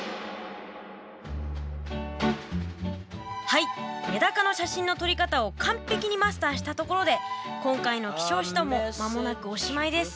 はいメダカの写真の撮り方を完璧にマスターしたところで今回の「希少誌道」も間もなくおしまいです。